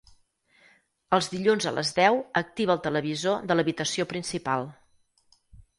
Els dilluns a les deu activa el televisor de l'habitació principal.